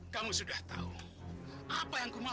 kamu sudah tahu apa yang aku mau